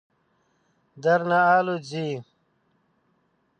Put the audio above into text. درنه آلوځي.